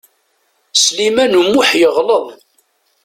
Sliman U Muḥ yeɣleḍ.